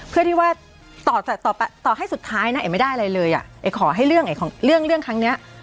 เพื่อที่ว่าต่อให้สุดท้ายเอกไม่ได้อะไรเลยเอกขอให้เรื่องเรื่องครั้งนี้